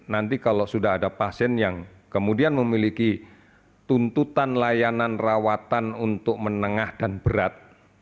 nanti kalau sudah ada pasien yang kemudian memiliki tuntutan layanan rawatan untuk menengah dan berat